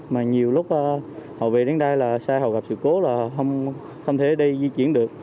mà nhiều lúc họ về đến đây là xe hầu gặp sự cố là không thể đi di chuyển được